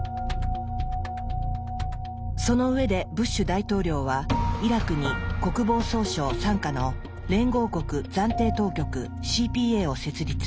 その上でブッシュ大統領はイラクに国防総省傘下の連合国暫定当局ＣＰＡを設立。